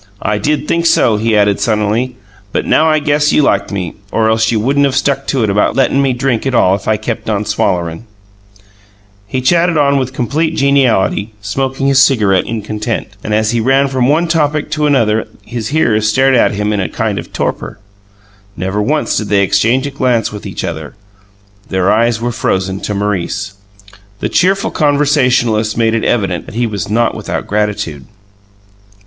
I did think so," he added sunnily; "but now I guess you like me, or else you wouldn't of stuck to it about lettin' me drink it all if I kept on swallering." He chatted on with complete geniality, smoking his cigarette in content. And as he ran from one topic to another his hearers stared at him in a kind of torpor. Never once did they exchange a glance with each other; their eyes were frozen to Maurice. The cheerful conversationalist made it evident that he was not without gratitude.